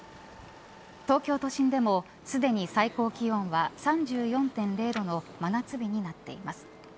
東京都心でも、すでに最高気温は３４．０度の真夏日になっています。